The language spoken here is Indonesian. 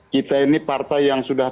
kita ini partai yang sudah